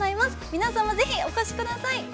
皆様、ぜひ、お越しください！